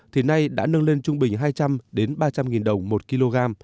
thì nay đã nâng lên trung bình hai trăm linh ba trăm linh đồng một kg